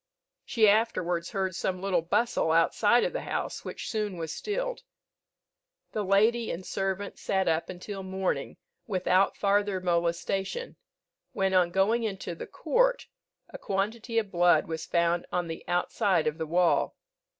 She afterwards heard some little bustle outside of the house, which soon was stilled. The lady and servant sat up until morning, without farther molestation, when, on going into the court, a quantity of blood was found on the outside of the wall.